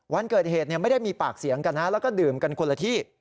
วันเกิดเหตุไม่ได้มีปากเสียงกันนะแล้วก็ดื่มกันคนละที่